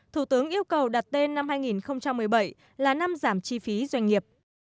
thủ tướng yêu cầu đặt tên năm hai nghìn một mươi bảy là năm giảm chi phí doanh nghiệp